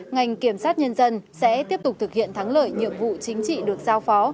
ngành kiểm sát nhân dân sẽ tiếp tục thực hiện thắng lợi nhiệm vụ chính trị được giao phó